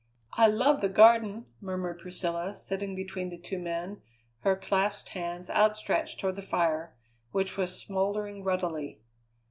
"I love the Garden!" murmured Priscilla, sitting between the two men, her clasped hands outstretched toward the fire, which was smouldering ruddily.